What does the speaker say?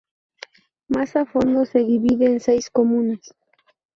Más a fondo se divide en seis comunas.